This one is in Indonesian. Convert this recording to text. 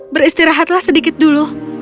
beristirahatlah sedikit dulu